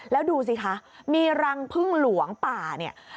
แล้วดูสิคะมีรังพึ่งหลวงป่าเนี่ย